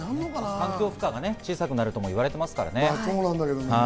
環境負荷が小さくなるともいわれていますからね。